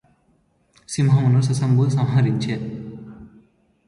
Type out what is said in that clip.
సింహమును శశంబు సంహరించె